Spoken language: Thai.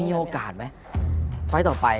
โอกาสไหมไฟล์ต่อไป